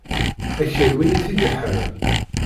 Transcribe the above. Akal win i t-id-iḥeṛṛen.